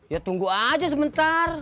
ya tunggu aja sebentar